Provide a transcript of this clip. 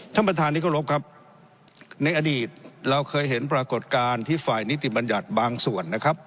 ท่านประธานที่เคารพครับในอดีตเราเคยเห็นปรากฏการณ์ที่ฝ่ายนิติบัญญัติบางส่วนนะครับ